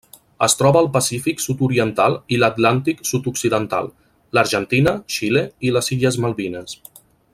Es troba al Pacífic sud-oriental i l'Atlàntic sud-occidental: l'Argentina, Xile i les illes Malvines.